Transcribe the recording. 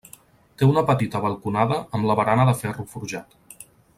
Té una petita balconada amb la barana de ferro forjat.